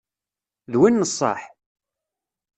D win n ṣṣeḥ?